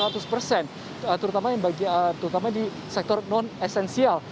terutama di sektor non esensial